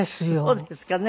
そうですかね？